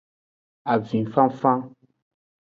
Avinfanfan.